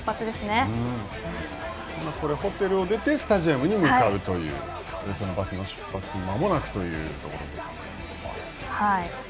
ホテルを出てスタジアムに向かうバスの出発がまもなくということで。